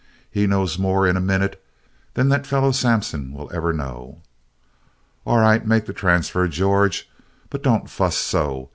He knows more in a minute than that fellow Sampson will ever know." "All right, make the transfer, George, but don't fuss so.